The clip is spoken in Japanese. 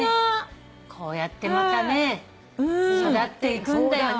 こうやってまたね育っていくんだよ。